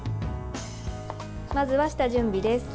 まずは下準備です。